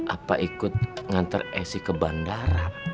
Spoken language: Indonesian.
apa ikut mengantar esy ke bandara